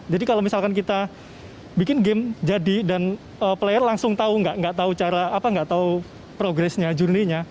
jadi kalau misalkan kita bikin game jadi dan player langsung tahu nggak tahu cara nggak tahu progresnya journey nya